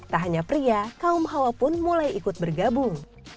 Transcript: tak hanya pria kaum hawa pun mulai ikut bergabung